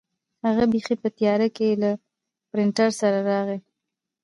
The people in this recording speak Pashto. هغه بیخي په تیاره کې له پرنټر سره راغی.